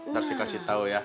nanti kasih tau ya